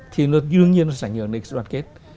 thì nó đương nhiên nó sẽ ảnh hưởng đến sự đoàn kết